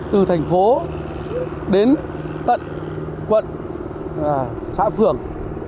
từ thành phố đến tận quận xã phường